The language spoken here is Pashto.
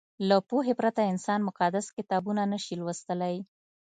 له پوهې پرته انسان مقدس کتابونه نه شي لوستلی.